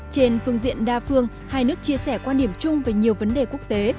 trên phương diện đa phương hai nước chia sẻ quan điểm chung về nhiều vấn đề quốc tế